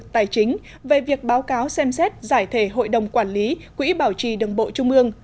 tài chính về việc báo cáo xem xét giải thể hội đồng quản lý quỹ bảo trì đường bộ trung ương